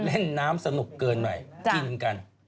เล่นน้ำสนุกเกินใหม่กินกัน